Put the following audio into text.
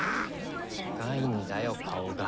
近いんだよ顔が。